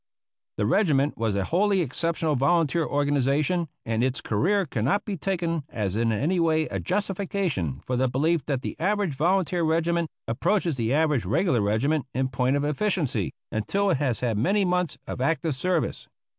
The regiment was a wholly exceptional volunteer organization, and its career cannot be taken as in any way a justification for the belief that the average volunteer regiment approaches the average regular regiment in point of efficiency until it has had many months of active service.